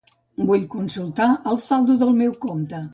Vull consultar el saldo del meu compte.